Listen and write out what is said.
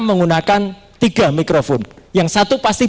menggunakan tiga mikrofon yang satu pasti